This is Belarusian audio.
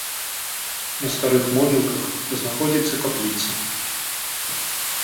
На старых могілках знаходзіцца капліца.